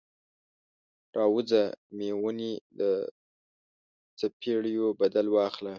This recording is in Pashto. راووځه میمونۍ، د څوپیړیو بدل واخله